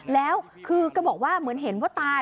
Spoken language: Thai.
แล้วคือก็บอกว่าเหมือนเห็นว่าตาย